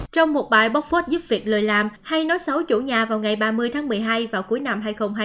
trong một bài bóc phốt giúp việc lời làm hay nói xấu chủ nhà vào ngày ba mươi tháng một mươi hai vào cuối năm hai nghìn hai mươi